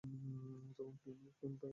তখন কেইন তাকে বাঁচায়।